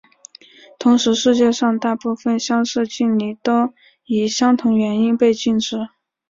同时世界上大部份相似敬礼都以相同原因被禁止。